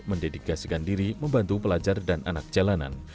mendedikasikan diri membantu pelajar dan anak jalanan